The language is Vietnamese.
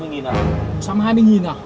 anh ơi một trăm hai mươi à